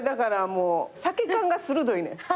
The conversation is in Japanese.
酒勘が鋭いねん。